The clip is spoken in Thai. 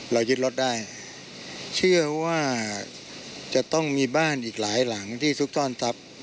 ยึดรถได้เชื่อว่าจะต้องมีบ้านอีกหลายหลังที่ซุกซ่อนทรัพย์